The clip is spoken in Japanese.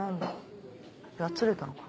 やつれたのかな？